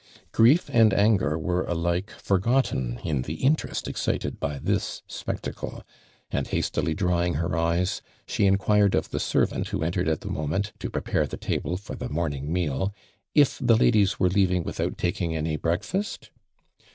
Grief and anger were alike forgotten in the interest excited by this spectacle, and hastily drying her eyes, she enquired of the servant who entered at the moment to pre pare the table for the morning meal, " If the ladies were leaving without taking any breakfast?"